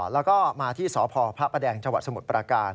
แล้วก็มาที่สพพระประแดงจังหวัดสมุทรประการ